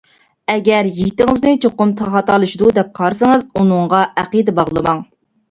ئەگەر يىگىتىڭىزنى چوقۇم خاتالىشىدۇ دەپ قارىسىڭىز، ئۇنىڭغا ئەقىدە باغلىماڭ.